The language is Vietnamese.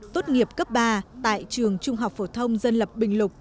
tốt nghiệp cấp ba tại trường trung học phổ thông dân lập bình lục